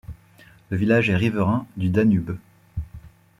Le village est riverain du Danube.